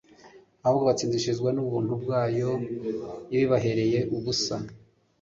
ahubwo batsindishirizwa n'ubuntu bwayo ibibahereye ubusa